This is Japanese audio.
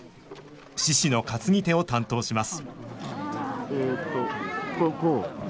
獅子の担ぎ手を担当します